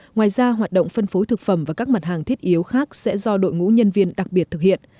ngoài ra hoạt động phân phối thực phẩm và các mặt hàng thiết yếu khác sẽ do đội ngũ nhân viên đặc biệt thực hiện